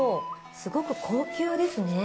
すごく高級ですね。